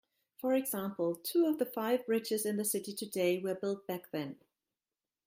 For example, two of the five bridges in the city today were built back then.